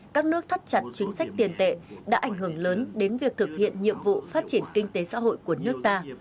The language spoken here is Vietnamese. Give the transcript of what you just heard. các nước thắt chặt chính sách tiền tệ đã ảnh hưởng lớn đến việc thực hiện nhiệm vụ phát triển kinh tế xã hội của nước ta